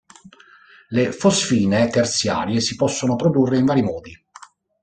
Le fosfine terziarie si possono produrre in vari modi.